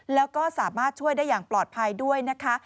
แล้วก็สามารถช่วยได้อย่างปลอดภัยด้วยนะคะ